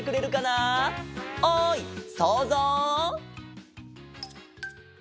おいそうぞう！